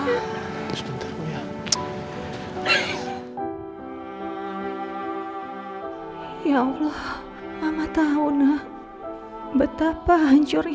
hai hai ya allah mama tahu nah betapa hancurnya